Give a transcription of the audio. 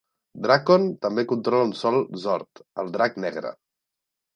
Drakkon també controla un sol Zord, el Drac Negre.